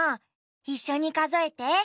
いっしょにかぞえて。